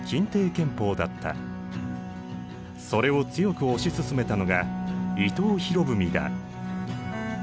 それを強く推し進めたのが伊藤博文だ。